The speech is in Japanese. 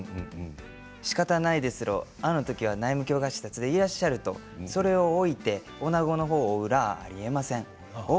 しかたないですろうあの時は内務卿が視察でいらっしゃるそれをおいておなごの方を追うらあありえません。